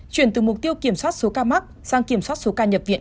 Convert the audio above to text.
chuyển từ mục tiêu kiểm soát số ca mắc sang kiểm soát số ca nhập viện